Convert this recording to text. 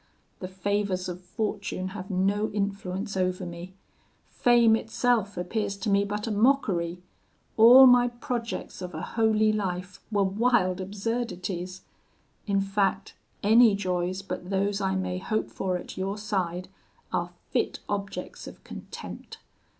The favours of fortune have no influence over me: fame itself appears to me but a mockery; all my projects of a holy life were wild absurdities: in fact, any joys but those I may hope for at your side are fit objects of contempt.